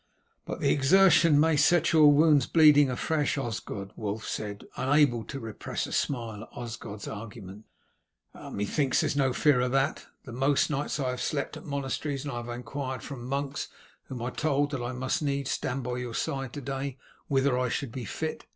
"But the exertion may set your wounds bleeding afresh, Osgod," Wulf said, unable to repress a smile at Osgod's argument. "Methinks there is no fear of that. The most nights I have slept at monasteries, and have inquired from the monks, whom I told that I must needs stand by your side to day, whether I should be fit.